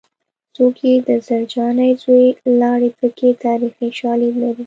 څوک یې د زرجانې زوی لاړې پکې تاریخي شالید لري